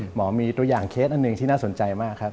หมอมีตัวอย่างเคสอันหนึ่งที่น่าสนใจมากครับ